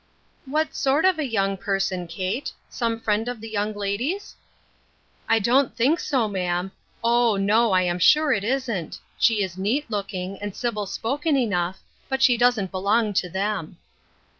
" What sort of a young person, Kate ? Some friend of the young ladies ?"" I don't think so, ma'am ; oh ! no, I am sure it isn't. She is neat looking, and civil spoken enough, but she doesn't belong to them."